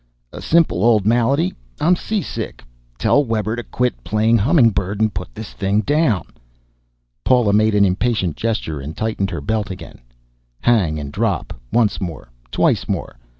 "A simple old malady. I'm seasick. Tell Webber to quit playing humming bird and put this thing down." Paula made an impatient gesture and tightened her belt again. Hang and drop. Once more, twice more.